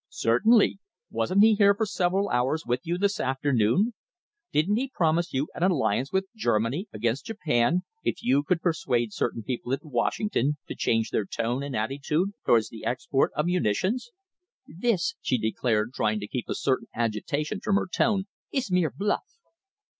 "Certainly! Wasn't he here for several hours with you this afternoon? Didn't he promise you an alliance with Germany against Japan, if you could persuade certain people at Washington to change their tone and attitude towards the export of munitions?" "This," she declared, trying to keep a certain agitation from her tone, "is mere bluff."